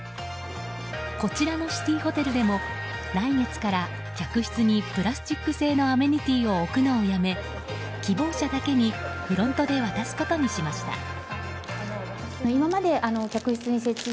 こちらのシティーホテルでも来月から客室にプラスチック製のアメニティーを置くのをやめ希望者だけにフロントで渡すことにしました。